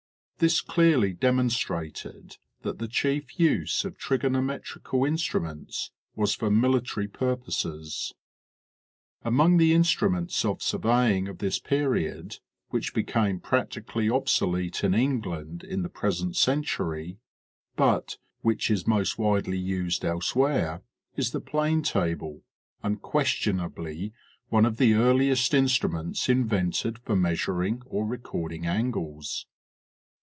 This clearly demonstrated that the chief use of trigonometrical instruments was for military pur poses. Among the instruments of surveying of this period which became practically obsolete in England in the present century, but which is most widely used elsewhere, is the plane table, unquestionably one of the earliest instruments invented for measuring or recording angles.